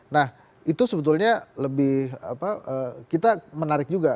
nah itu sebetulnya lebih kita menarik juga